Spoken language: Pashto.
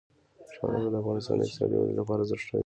ښارونه د افغانستان د اقتصادي ودې لپاره ارزښت لري.